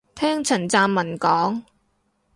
聽陳湛文講